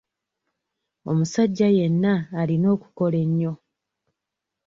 Omusajja yenna alina okukola ennyo.